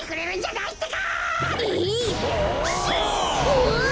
うわ！